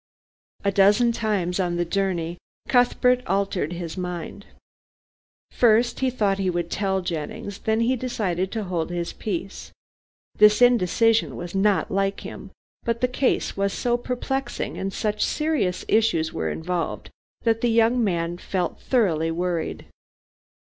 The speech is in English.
A dozen times on the journey Cuthbert altered his mind. First he thought he would tell Jennings, then he decided to hold his peace. This indecision was not like him, but the case was so perplexing, and such serious issues were involved, that the young man felt thoroughly worried.